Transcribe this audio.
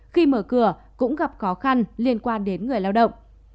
khi mở cửa cũng gặp khó khăn liên quan đến người lao động